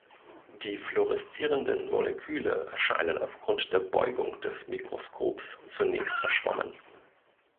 Die fluoreszierenden Moleküle erscheinen aufgrund der Beugung des Mikroskops zunächst verschwommen.